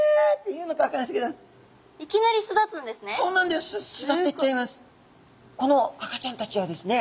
いきなり巣立つんですね？